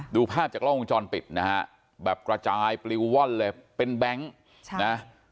ดูภาพจากกล้องวงจรปิดนะฮะแบบกระจายปลิวว่อนเลยเป็นแบงค์นะ